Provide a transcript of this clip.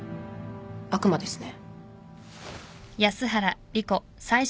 悪魔ですね。